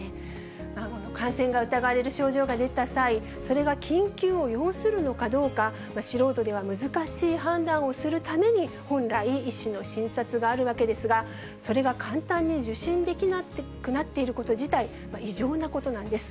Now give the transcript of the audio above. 感染が疑われる症状が出た際、それが緊急を要するのかどうか、素人では難しい判断をするために、本来、医師の診察があるわけですが、それが簡単に受診できなくなっていること自体、異常なことなんです。